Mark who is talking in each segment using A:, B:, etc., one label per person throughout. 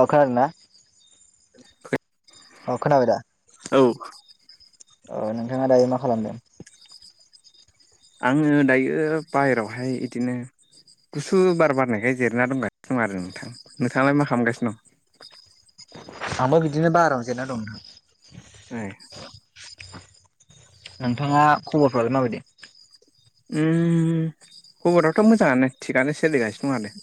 A: अ खोनादोंना? अ खोनाबाय दा
B: औ
A: अ नोंथाङा दायो मा खालामदों?
B: आङो दायो बाहेरावहाय बिदिनो गुसु बार बारनायखाय जिरना दंगासिनो दं आरो नोंथां नोंथाङालाय मा खामगासिनो दं?
A: आंबो बिदिनो बारायाव जिरायना दं नोंथां
B: नाइस
A: नोंथाङा खबरफ्रालाय माबायदि
B: उम खबराथ' मोजाङानो थिगआनो सोलिगासिनो दं आरो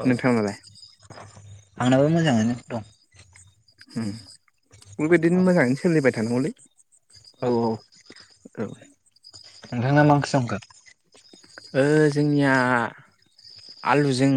A: औ
B: नोंथाङालाय
A: आंनाबो मोजाङानो दं
B: उम
A: औ
B: बेफोरबायदिनो मोजाङैनो सोलिबाय थानांगौलै औ
A: नोंथांङा मा ओंख्रि संखो
B: ओ जोंनिया आलुजों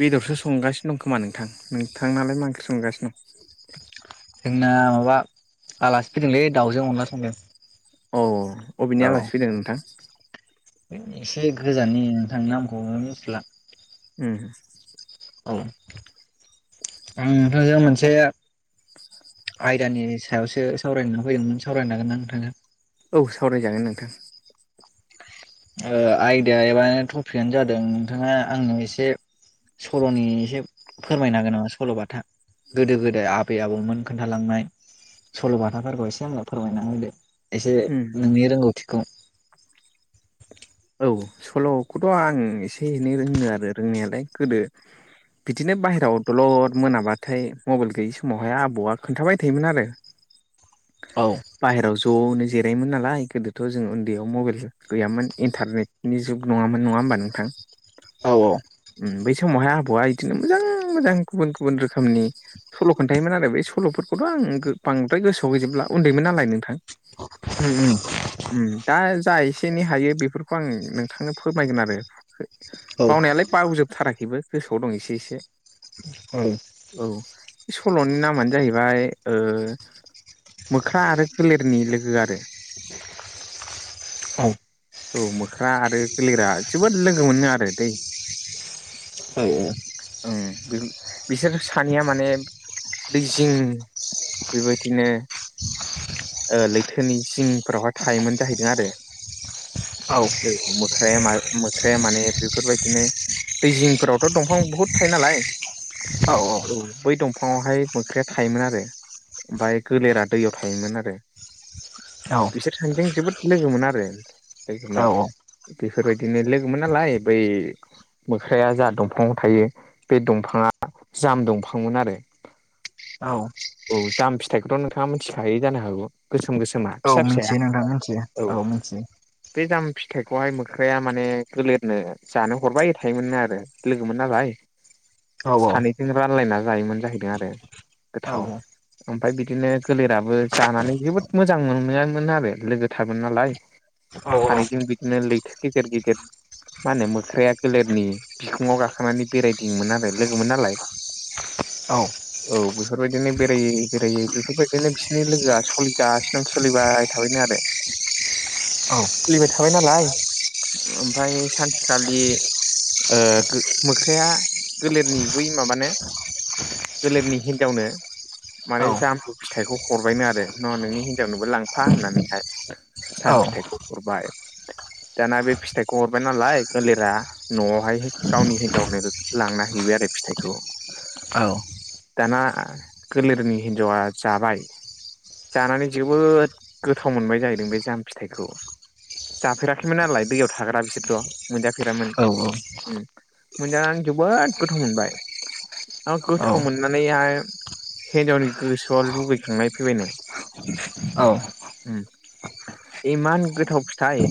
B: बेदरसो संगासिनो दं खोमा नोंथां नोंथांनालाय मा ओंख्रि संगासिनो दं?
A: जोंना माबा आलासि फैदोंलै दाउजों अनला संदों
B: औ अबेनि
A: औ
B: आलासि फैदों नोंथां?
A: एसे गोजाननि नोंथां नामखौबो मिथिला
B: उम
A: औ आं नोंथांजों मोनसे आयदानि सायावसो सावरायनो होनना फैदोंमोन सावरायनो हागोन ना नोंथाङा
B: औ सावराय जागोन नोंथां
A: ओ आयदा एबा टपिकआनो जादों नोंथाङा आंनो एसे सल'नि एसे फोरमायनो हागोन नामा सल'बाथा गोदो गोदाय आ बै आबौमोन खोन्थालांनाय सल'बाथाफोरखौ एसे आंनो फोरमायना होदो एसे
B: उम
A: नोंनि रोंगौथिखौ
B: औ सल'खौथ' आं एसे एनै रोङो आरो रोंनायालाय गोदो बिदिनो बाहेरायाव दलद मोनाबाथाय मबाइल गैयि समावहाय आबौआ खोन्थाबाय थायोमोन आरो
A: औ
B: बाहेरायाव ज'नो जिरायोमोन नालाय गोदोथ' जों ओन्दैयाव मबाइल गैयामोन इन्टारनेटनि जुग नङामोन नङा होमबा नोंथां
A: औ
B: उम बै समावहाय आबौआ बिदिनो मोजां मोजां गुबुन गुबुन रोखोमनि सल' खोन्थायोमोन आरो ब सल'फोरखौथ' आं गो बांद्राय गोसोआव होजोबला उन्दैमोन नालाय नोंथां
A: [inaudible] [inaudible]
B: उम दा जा एसे एनै हायो बे बेफोरखौ आं नोंथांनो फोरमायगोन आरो
A: औ
B: बावनायालाय बावजोबथाराखैबो गोसोआव दं एसे एसे
A: औ
B: औ बे सल'नि नामानो जाहैबाय ओ मोख्रा आरो गोलेरनि लोगो आरो
A: औ
B: औ मोख्रा आरो गोलेरा जोबोद लोगोमोननो आरो दै ओं बिसोर सानैया माने दैजिं बेबायदिनो ओ लैथोनि सिंफोरावहाय थायोमोन जाहैदों आरो मोख्रा मा मोख्राया माने बेफोरबायदिनो दै जिंफोरावथ' दंफां बुहुद थायो नालाय औ बै दंफाङावहाय मोख्राया थायोमोन आरो ओमफाय गोलेरा दैयाव थायोमोन आरो बिसोर सानैजों जोबोद लोगोमोन आरो लोगोमोन
A: औ
B: बेफोर बायदिनो लोगोमोन नालाय बै मोख्राया जा दंफङाव थायो बे दंफाङा जाम दंफांमोन आरो
A: [inaudible]
B: औ जाम फिथाइखौथ' नोंथाङा मिथिखायो जानो हागौ गोसोम गोसोमा
A: औ
B: फिसा फिसाया
A: मिथियो नोंथां मिथियो औ मिथियो
B: बे जाम फिथाइखौहाय मोख्राया माने गोलेरनो जानो हरबाय थायोमोननो आरो लोगोमोन नालाय
A: औ औ
B: सानैजों रानलायना जायोमोन जाहैदों आरो
A: औ
B: गोथाव ओमफाय बिदिनो गोलेराबो जानानै जोबोद मोजां मोननायामोन आरो लोगो थारमोन नालाय सानैजों बिदनो लैथो गेजेर गेजेर मा होनो मोख्राया गोलेरनि फिखुङाव गाखोनानै बेरायदिङोमोन आरो लोगोमोन नालाय
A: औ
B: औ बेफोर बायदिनो बेरायै बेरायै बेफोर बायदिनो बिसोरनि लोगोआ सलिगासिनो दं सोलिबाय थाबायनो आरो सोलिबाय थाबाय नालाय ओमफाय सानसेखालि ओ गो मोख्राया गोलेरनि बै माबानो गोलेरनि हिन्जावनो माने जाम फिथाइखौ हरबायनो आरो न नोंनि हिनजावनोबो लांफा होननानैहाय
A: औ
B: खौ हरबाय दाना बे फिथाइखौ हरबाय नालाय गोलेरा न'आवहाय गावनि हिन्जावनो बेखौ लांना हैबाय आरो फिथाइखौ
A: [inaudible]
B: दाना गोलेरनि हिन्जावा जाबाय जानानै जोबोद गोथाव मोनबाय जाहैदों बे जाम फिथाइखौ जाफेराखैमोन नालाय दैयाव थाग्रा बिसोरथ' मोनजाफेरामोन
A: औ औ
B: उ मोनजानानै जोबोद गोथाव मोनबाय दा गोथाव मोननानैहाय हिनजावनि गोसोआव लुगैखांनाय फैबायनो उम इमान गोथाव फिथाइ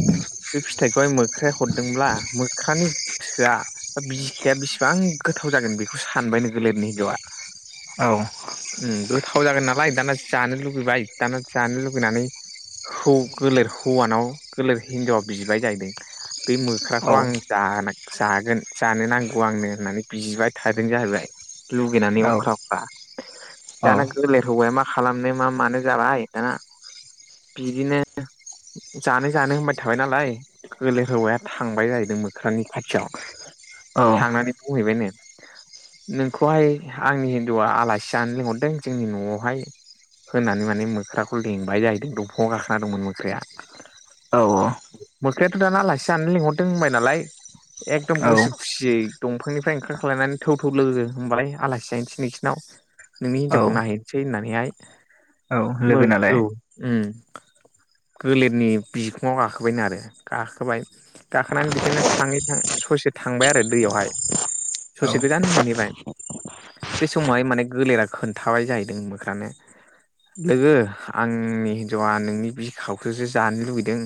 B: बे फिथाइखौहाय मोख्राया हरदोंब्ला मोख्रानि गोसोआ दा बिखाया बेसेबां गोथाव जागोन बेखौ सानबायनो गोलेरनि हिनजावा
A: [inaudible]
B: ओ गोथाव जागोन नालाय दाना जानो लुुबैबाय दाना जानो लुुबैनानै हौ गोलेर हौवानाव गोलेर हिन्जावआ बिबाय जाहैदों बे मोख्राखौ आं जानो जागोन जानो नांगौ आंनो होननानै बिबाय थादों जाहैबाय लुगैनानै अख्रा अख्रा दाना गोलेर हौवाया मा खालामनो मा मानो जाबाय दाना बिदिनो जानो जानो होनबाय थाबाय नालाय गोलेर हौवाया थांबाय जाहैदों मोख्रानि खाथियाव थांनानै बुंहैबायनो नोंखौहाय आंनि हिनजावा आलासि जानो लिंहरदों जोंनि न'आवहाय होनानै माने मोख्राखौ लेंंबाय जाहैदों दंफांआव गाखोना दंमोन मोख्राया
A: औ
B: मोख्रायाथ' दाना आलासि जानो लिंहरदों होनबाय नालाय एकदम गोसो खुसियै दंफांनिफ्राय ओंखार ख्लायनानै थौ थौ लोगो होमबालाय आलासि जाहैनोसै नोंसिनियाव नोंनि
A: औ
B: हिनजावखौ नायहैसै होननानैहाय
A: लोगो नालाय
B: गोलेरनि बिखुङाव गाखोबाय आरो गाखोबाय गाखोनानै बिदिनो थाङै थाङै ससे थांबाय आरो दैयावहाय
A: औ
B: ससे गोजान मोनहैबाय बे समावहाय माने गोलेरा खोन्थाबाय जाहैदों मोख्रानो लोगो आंनि हिनजावा नोंनि बिखाखौसो जानो लुबैदों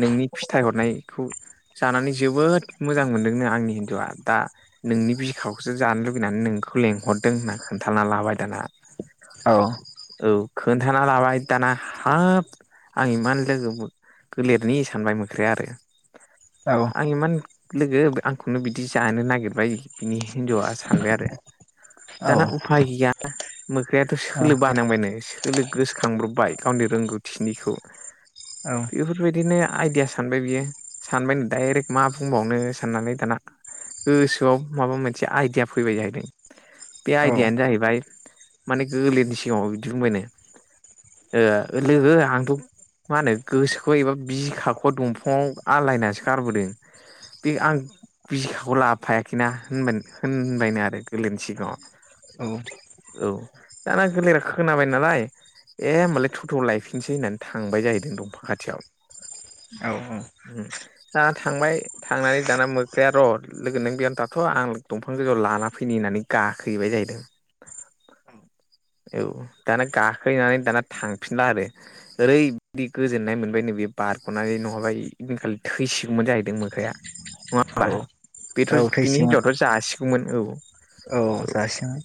B: नोंनि फिथाइ हरनायखौ जानानै जोबोद मोजां मोनदोंनो आंनि हिनजावआ दा नोंनि बिखाखौसो जानो लुुबैनानै नोंखौ लेंहरदों होनना खोन्थाना लाबाय दाना
A: औ
B: औ खोन्थाना लाबाय दाना हाब आं इमान लोगो गोलेरनि सानबाय मोख्राया आरो आं इमान लोगो आंखौनो बिदि जानो नागिरबाय बिनि हिनजावा सानबाय आरो
A: औ औ
B: दाना उफाय गैया मोख्रायाथ'
A: औ
B: सोलो बानायनांबाय नो सोलो गोसोखां ब्रबबाय गावनि रोंगौथिनिखौ
A: औ
B: बेफोरबायदिनो आइदिया सानबाय बियो सानबायनो डाइरेक्ट मा बुंबावनो साननानै दाना गोसोआव माबा मोनसे आइदिया फैबाय जाहैदों बे
A: औ
B: आइदियायानो जाहैबाय माने गोलेरनि सिगाङावनो बिदि बुंबायनो ओ लोगो आं मा होनो गोसोखौ एबा बिखाखौ दंफाङाव आलायनासो गारबोदों बे आं बिखाखौ लाबोफायाखैना होनबायनो आरो गोलेरनि सिगाङाव
A: औ
B: औ दाना गोलेरा खोनाबाय नालाय ए होमबालाय थ थ लायफिनसै होननानै थांबाय जाहैदों दंफां खाथियाव
A: औ औ
B: दा थांबाय थांनानै दाना मोख्रया र' लोगो नों बेयानो थाथ' आं दंफां गोजौआव लाना फैनि होननानै गाखोहैबाय जाहैदों
A: [inaudible]
B: औ दाना गाखोहैनानै दाना थांफिनला आरो। ओरैबायदि गोजोननाय मोनबायनो बे बारग'नानै नङाबा इदिन खालि थैसिगौमोन जाहैदों मोख्राया। नङा
A: औ।
B: बेथ'
A: औ
B: बिनि
A: थैसिगोन
B: हिनजावाथ' जासिगौमोन औ।
A: औ जासिगौमोन।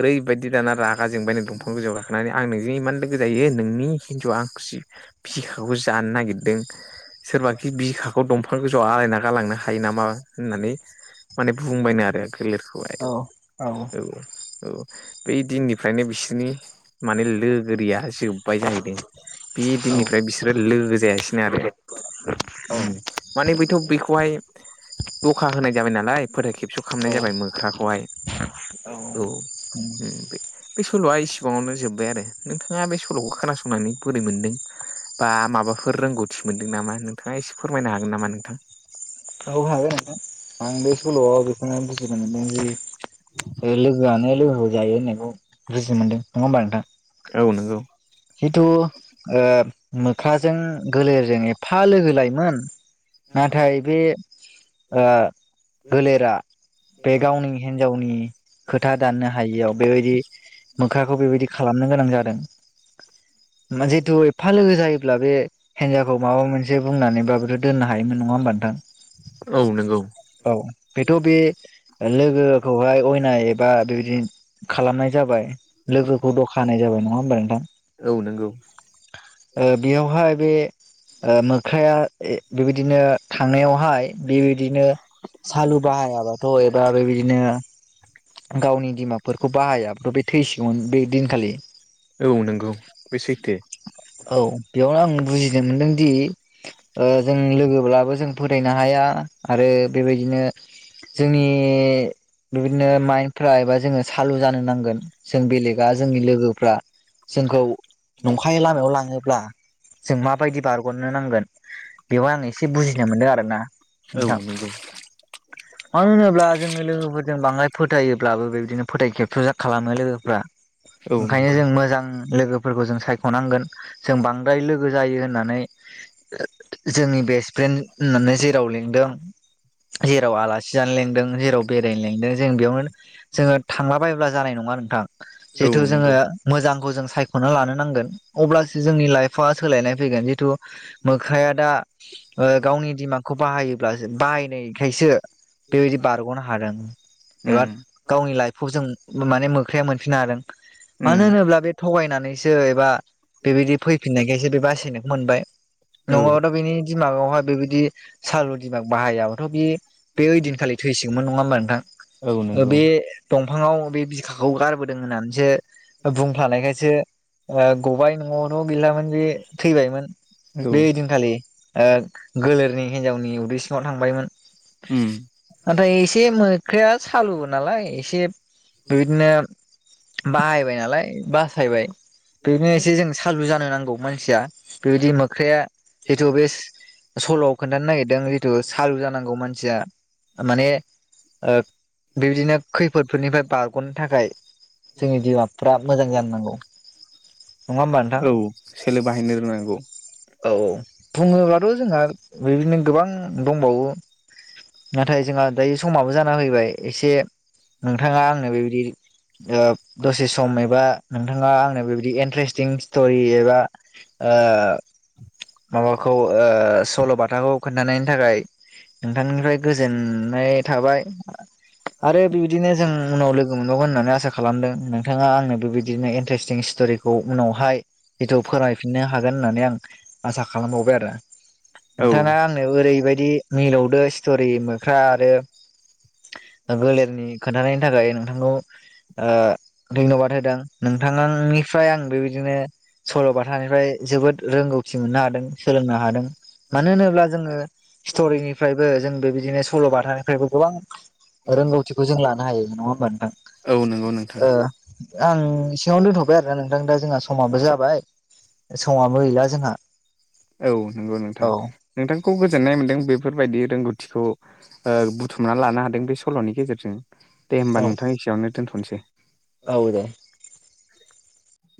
B: ओरैबायदि दाना रागा जोंबायनो दंफां गोजौआव गाखोनानै आं नोंजों इमान लोगो जायो नोंनि बिथ' आंखौसि बिखाखौ जानो नागिरदों सोरबाखि बिखाखौ दंफां गोजौआव आलायना गालांनो हायो नामा होननानै माने बुंबायनो आरो गोलोरखौहाय
A: औ औ
B: औ औ। बै दिननिफ्रायनो बिसोनि माने लोगोरिया जोब्बाय जाहैदों। बि
A: औ
B: दिननिफ्राय बिसोरो लोगो जायासि नो आरो। उम माने बैथ' बैखौहाय दखा होनाय जाबाय नालाय फोथाय खेबस'
A: औ
B: खालामनाय जाबाय मोख्राखौहाय।
A: औ
B: उम बे सल'आ इसिबाङावनो जोब्बाय आरो। नोंथाङा बे सल'खौ खोनासंनानै बोरै मोनदों बा माबाफोर रोंगौथि मोनदों नामा नोंथाङा एसे फोरमायनो हागोन नामा नोंथां?
A: औ हागोन नोंथां। आं बे सल'आव बेखौनो बुजि मोनदोंदि ओ लोगोआनो लोगोखौ जायो होननायखौ बुजि मोन्दों। नङा होमबा नोंथां?
B: औ नोंगौ।
A: जिथु ओ मोखाजों गोलेरजों एफा लोगो लायमोन नाथाय बे ओ गोलेरा बे गावनि हिन्जावनि खोथा दाननो हायियाव बेबायदि मोखाखौ बेबायदि खालामनो गोनां जादों। मा जिहेथु एफा लोगो जायोब्ला बे हेजावखौ माबा मोनसे बुंनानैबाबोथ' दोननो हायोमोन। नङा होमबा नोंथां?
B: औ नोंगौ।
A: औ बेथ' बे लोगोखौहाय अयनाय एबा बेबायदि खालामनाय जाबाय लोगोखौ दखा होनाय जाबाय। नङा होमबा नोंथां?
B: औ नोंगौ।
A: ओ बेयावहाय बे ओ मोख्राया ए बेबायदिनो थांनायावहाय बे दिनो सालु बाहायाबाथ' एबा बेबायदिनो गावनि दिमागफोरखौ बाहायाथ' बे थैसिग'मोन बे दिनखालि।
B: औ नोंगौ बे सैथो।
A: औ बेयावनो आं बुजिनो मोनदों दि ओ जों लोगोब्लाबो जों फोथायनो हाया आरो बेबायदिनो जोंनि बेबायदिनो माइन्दफ्रा एबा जोङो सालु जानो नांगोन जों बेलेगा जोंनि लोगोफ्रा जोंखौ नंखाय लामायाव लांङोब्ला जों माबायदि बारग'नो नांगोन बेवा आं एसे बुजिनो मोनदों आरोना।
B: औ
A: नोंथां
B: नोंगौ।
A: मानो होनोब्ला जोङो लोगोफोरजों बांद्राय फोथायायोब्लाबो बेबायदिनो फोथाय खेबस' जा खालामो लोगोफ्रा।
B: औ
A: ओंखायनो
B: नंगौ
A: जों मोजां लोगोफोरखौ जों सायख'नांगोन। जों बांद्राय लोगो जायो होननानै जोंनि बेस फ्रेन होननानै जेराव लिंदों जेराव आलास सि जानो लेंदों जेराव बेरायनो लेंदों जों बेयावनो जोङो थांला बायोब्ला जानाय नंङा नोंथां‌
B: औ
A: जिहेथु जोङो
B: नंगौ
A: मोजांखौ जों सायख'ना लानो नांगोन अब्लासो जोंनि लाइफआ सोलायनाय फैगोन। जितु मोखाया दा ओ गावनि दिमागखौ बाहायोब्लासो बाहायनायखायसो बेबायदि बारग'नो हादों एबा
B: उम
A: गावनि लाइफखौ जों माने मोख्रया मोनफिननो हादों।
B: उम
A: मानो होनोब्ला बे थगायनानैसो एबा बेबायदि फैफिननायखायसो बे बासायनायखौ मोनबाय
B: औ
A: नङाबाथ' बिनि दिमागावहाय बेबायदि सालु दिमाग बाहायाबाथ' बे बे ओइदिनखालि थैसिगौमोन नङा होमबा
B: औ
A: नोंथां
B: नंगौ
A: बे दंफाङाव बे बिखाखौ गारबोदों होननानैसो बुंफ्लानायखायसो गबाय न'आवथ' गैलामोन बे थैबायमोन
B: औ
A: बे ओइदिनखालि ओ गोलेरनि हिनजावनि उदैसिङाव थांबायमोन
B: उम
A: नाथाय एसे मोख्राया सालुबो नालाय एसे बेबायदिनो बाहायबाय नालाय बासायबाय बेनो एसे जों सालु जानो नांगौ मानसिया बेबायदि मोख्राया जितु बे सल'आव खोन्थानो नागिरदों जिथु सालु जानांगौ मानसिया माने ओ बेबायदिनो खैफोदफोरनिफ्राय बारग'नो थाखाय जोंनि बिमाफ्रा मोजां जानो नांगौ नङा होमबा नोंथां
B: औ सोलो बाहायनो रोंनांगौ
A: औ औ बुङोबाथ' जोंहा बेबादिनो गोबां दंबावो नाथाय जोंहा दायो समाबो जाना फैबाय एसे नोंथाङा आंनो बेबायदि ओ दसे सम एबा नोंथाङा आंनो बेबायदि इन्ट्रेस्टिं स्ट'रि एबा ओ माबाखौ ओ सल' बाथाखौ खोन्थानायनि थाखाय नोंथांनिफ्राय गोजोननाय थाबाय आरो बिबायदि बिदिनो जों उनाव लोगो मोनबावगोन होननानै आसा खालामदों नोंथाङा आंनो बेबायदिनो इन्टारेस्टिं स्ट'रिखौ खौ उनावहाय जिथु फोरमायफिननो हागोन होननानै आं आसा खालामबावबाय आरो
B: औ
A: नोंथाङा आंनो ओरैबायदि मिलौदो स्ट'रि मोख्रा आरो गोलेरनि खोन्थानायनि थाखाय नोंथांखौ ओ धन्यबाद होदों नोंथांनि फ्राय आं बेबायदिनो सल'बाथानिफ्राय जोबोद रोंगौथि मोननो हादों सोलोंनो हादों मानो होनोब्ला जोङो स्ट'रिनिफ्रायबो जों बेबायदिनो सल'बाथा फ्रायबो गोबां रोंगौथिखौ जों लानो हायो नङा होमबा नोंथां?
B: औ नोंगौ नोंथां
A: ओ आं इसेयावनो दोनथ'बाय आरोना नोंथां दा जोंहा समाबो जाबाय समाबो गैला जोंहा
B: औ नंगौ नोंथां
A: औ
B: नोंथांखौ गोजोननाय मोन्दों बेफोरबायदि रोंगौथिखौ ओ बुथुमना लानो हादों बे सल'नि गेजेरजों दे
A: औ
B: होमबा नोंथां एसियावनो दोनथ'निसै।
A: औ दे।